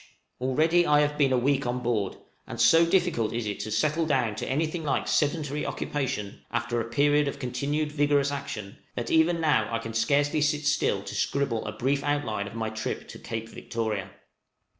_ Already I have been a week on board, and so difficult is it to settle down to anything like sedentary occupation, after a period of continued vigorous action, that even now I can scarcely sit still to scribble a brief outline of my trip to Cape Victoria.